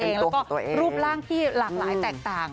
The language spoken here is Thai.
เป็นตัวของตัวเองแล้วก็รูปร่างที่หลากหลายแตกต่าง